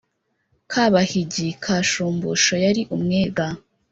Kabahigi ka Shumbusho yari umwega